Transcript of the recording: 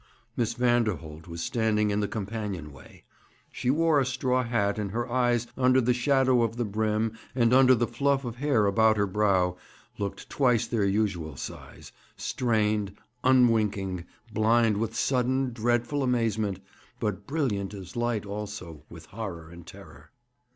Miss Vanderholt was standing in the companion way. She wore a straw hat, and her eyes, under the shadow of the brim and under the fluff of hair about her brow, looked twice their usual size strained, unwinking, blind, with sudden, dreadful amazement, but brilliant as light also with horror and terror.